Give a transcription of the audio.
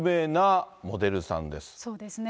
そうですね。